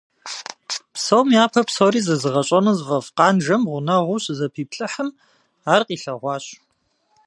Псом япэ псори зэзыгъэщӀэну зыфӀэфӀ Къанжэм гъунэгъуу щызэпиплъыхьым, ар къилъэгъуащ.